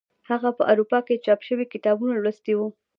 هغه په اروپا کې چاپ شوي کتابونه لوستي وو.